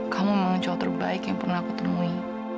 kamu memang jauh terbaik yang pernah aku temui